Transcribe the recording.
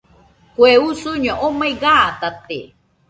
Kue usuño omai gatate